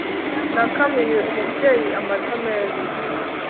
nakamiye umubyeyi, amata meza